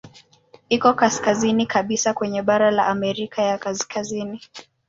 Iko kaskazini kabisa kwenye bara la Amerika ya Kaskazini.